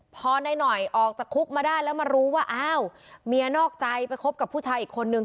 พอนายหน่อยออกจากคุกมาได้แล้วมารู้ว่าอ้าวเมียนอกใจไปคบกับผู้ชายอีกคนนึง